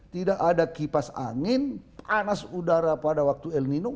tidak ada kipas angin panas udara pada waktu el nino